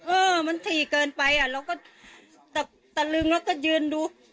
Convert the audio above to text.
เออมันถี่เกินไปอ่ะเราก็ตะลึงแล้วก็ยืนดู